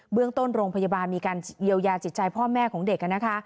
เรื่องต้นโรงพยาบาลมีการเยียวยาจิตใจพ่อแม่ของเด็กนะคะ